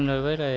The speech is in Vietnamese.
rồi với đời